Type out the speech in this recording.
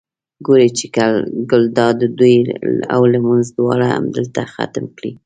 ګوري چې ګلداد ډوډۍ او لمونځ دواړه همدلته ختم کړي.